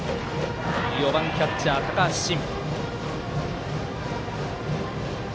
４番キャッチャー、高橋慎。